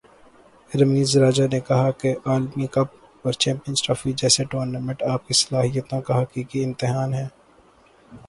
رمیز راجہ نے کہا کہ عالمی کپ اور چیمپئنز ٹرافی جیسے ٹورنامنٹ آپ کی صلاحیتوں کا حقیقی امتحان ہیں